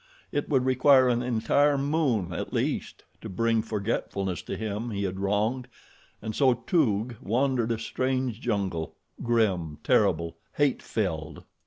It would require an entire moon at least to bring forgetfulness to him he had wronged, and so Toog wandered a strange jungle, grim, terrible, hate filled.